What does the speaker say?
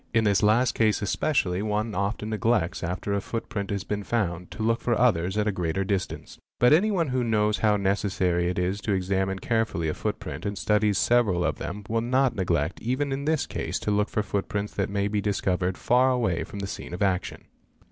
In this last case especially one often neglects, after a footprint has been found, 0 look for others at a greater distance. But anyone who knows how lecessar'y it is to examine carefully a footprint and studies several of them will not neglect even in this case to look for footprints that may be liscovered far away from the scene of action.